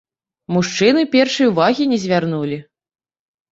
Мужчыны перш і ўвагі не звярнулі.